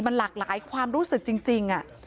มันหลากหลายความรู้สึกจริง